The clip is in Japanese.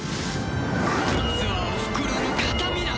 こいつはおふくろの形見なんだ！